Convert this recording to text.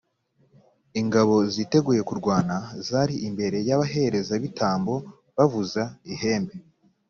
ingabo ziteguye kurwana zari imbere y’abaherezabitambo bavuza ihembe.